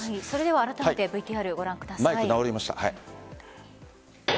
あらためてＶＴＲご覧ください。